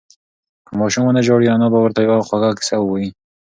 که ماشوم ونه ژاړي، انا به ورته یوه خوږه قصه ووایي.